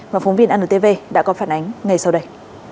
và phóng viên antv đã có phản ánh ngay sau đây